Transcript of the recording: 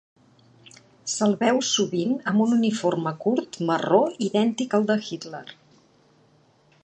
Se'l veu sovint amb un uniforme curt marró idèntic al de Hitler.